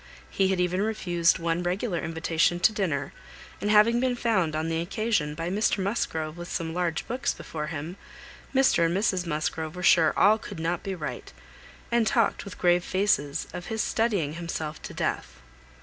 He had even refused one regular invitation to dinner; and having been found on the occasion by Mr Musgrove with some large books before him, Mr and Mrs Musgrove were sure all could not be right, and talked, with grave faces, of his studying himself to death.